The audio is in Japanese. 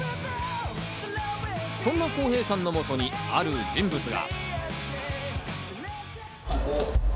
そんな公平さんの元にある人物が。